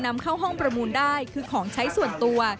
นำเข้าห้องประมูลได้คือของใช้ส่วนตัว